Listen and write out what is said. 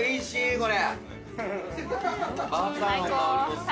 これ。